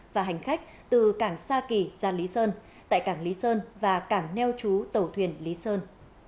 và hành khách từ cảng sa kỳ ra lý sơn tại cảng lý sơn và cảng neo chú tàu thuyền lý sơn